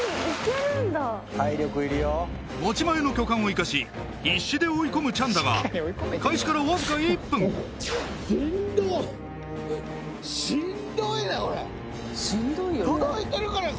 持ち前の巨漢を生かし必死で追い込むチャンだが開始からわずか１分しんどしんどいなこれ届いてるかな